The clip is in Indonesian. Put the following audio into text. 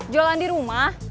jualan di rumah